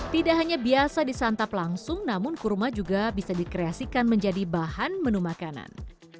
tidak hanya biasa disantap langsung namun kurma juga bisa dikreasikan menjadi bahan menu makanan